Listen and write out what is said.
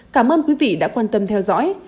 cảm ơn quý vị đã quan tâm theo dõi